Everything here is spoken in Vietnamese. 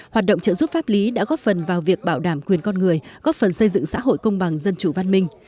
hoạt động trợ giúp pháp lý đã góp phần vào việc bảo đảm quyền con người góp phần xây dựng xã hội công bằng dân chủ văn minh